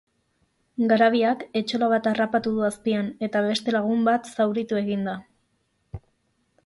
Garabiak etxola bat harrapatu du azpian eta beste lagun bat zauritu egin da.